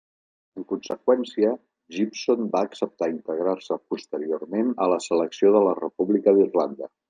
En conseqüència, Gibson va acceptar integrar-se posteriorment a la Selecció de la República d'Irlanda.